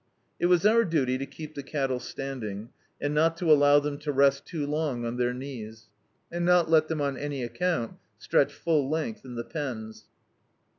It was our duty to keep the cattle standing, and not to allow them to rest too long on their knees; and not let them, on any acount, stretch full length in the pens.